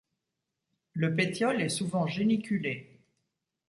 Le pétiole est souvent géniculé.